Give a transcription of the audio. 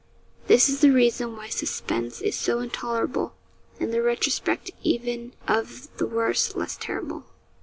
This is the reason why suspense is so intolerable, and the retrospect even of the worst less terrible.